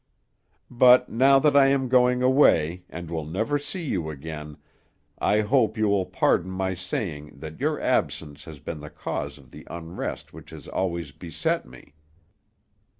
But now that I am going away, and will never see you again, I hope you will pardon my saying that your absence has been the cause of the unrest which has always beset me.